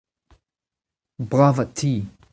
Bravat ti !